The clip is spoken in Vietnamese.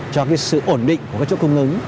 cho cái sự ổn định của các chuỗi cung ứng